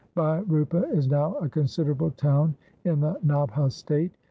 Bhai Rupa is now a considerable town in the Nabha State.